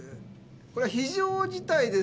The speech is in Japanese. これは非常事態です。